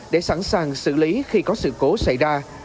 để sẵn sàng xử lý khi có sự cố xảy ra